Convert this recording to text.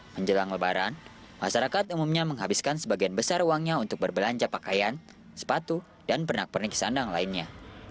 menjelang lebaran masyarakat umumnya menghabiskan sebagian besar uangnya untuk berbelanja pakaian sepatu dan pernak pernik sandang lainnya